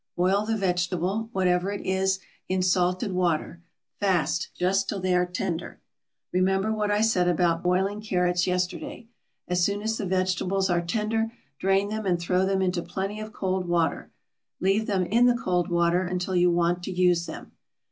Boil the vegetable (whatever it is) in salted water, fast, just till they are tender. Remember what I said about boiling carrots yesterday. As soon as the vegetables are tender, drain them and throw them into plenty of cold water. Leave them in the cold water until you want to use them.